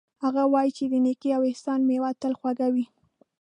هغه وایي چې د نیکۍ او احسان میوه تل خوږه وي